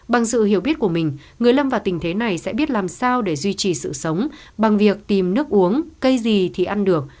bằng sự hiểu biết của mình người lâm vào tình thế này sẽ biết làm sao để duy trì sự sống bằng việc tìm nước uống cây gì thì ăn được